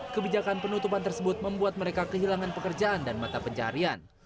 kebijakan penutupan tersebut membuat mereka kehilangan pekerjaan dan mata pencarian